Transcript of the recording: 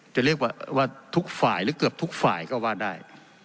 จะเรียกว่าทุกฝ่ายหรือเกือบทุกฝ่ายก็ว่าได้